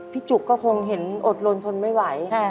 จุกก็คงเห็นอดลนทนไม่ไหว